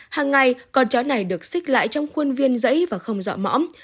hàng ngày con chó này được xích lại trong khuôn viên dãy và không dọa mõm